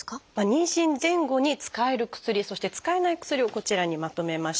妊娠前後に使える薬そして使えない薬をこちらにまとめました。